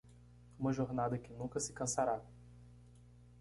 uma jornada que nunca se cansará